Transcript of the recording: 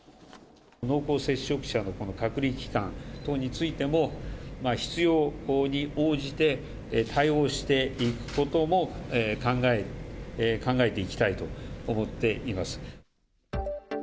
濃厚接触者の隔離期間等についても、必要に応じて対応をしていくことも考えていきたいと思っています。